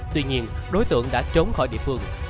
tuy nhiên đối tượng đã trốn khỏi địa phương